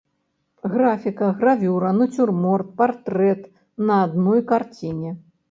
Графіка, гравюра, нацюрморт, партрэт на адной карціне.